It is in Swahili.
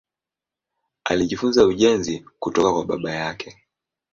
Alijifunza ujenzi kutoka kwa baba yake.